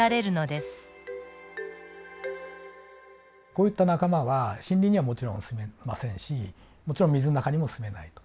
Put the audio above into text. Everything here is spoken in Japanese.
こういった仲間は森林にはもちろん住めませんしもちろん水の中にも住めないと。